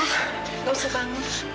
gak usah bangun